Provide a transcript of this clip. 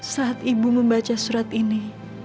saat ibu membaca surat ini